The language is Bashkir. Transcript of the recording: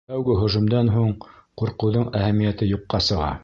— Тәүге һөжүмдән һуң ҡурҡыуҙың әһәмиәте юҡҡа сыға.